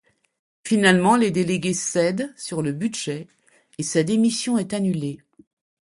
Finalement, les délégués cèdent sur le budget et sa démission est annulée.